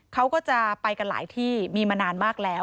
เขาก็จะไปกันหลายที่มีมานานมากแล้ว